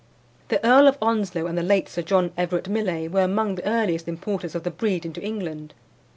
The Earl of Onslow and the late Sir John Everett Millais were among the earliest importers of the breed into England.